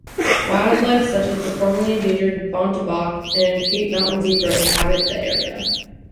Wildlife such as the formerly endangered bontebok and Cape mountain zebra inhabit the area.